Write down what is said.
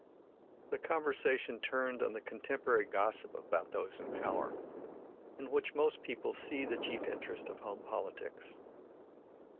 The conversation turned on the contemporary gossip about those in power, in which most people see the chief interest of home politics.